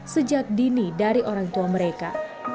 sejak dini dari orang tua mereka